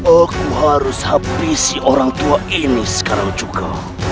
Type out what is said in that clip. aku harus habisi orang tua ini sekarang juga